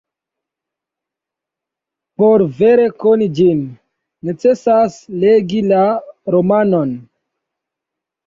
Por vere koni ĝin, necesas legi la romanon.